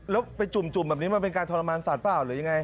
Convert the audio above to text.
แล้วไปจุ่มแบบนี้มันเป็นการทรมานสัตว์เปล่าหรือยังไง